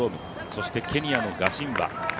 そしてケニアのガシンバ。